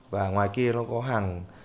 và ngoài kia nó có hàng